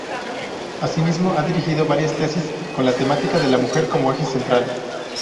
Asimismo, ha dirigido varias tesis con la temática de la mujer como eje central.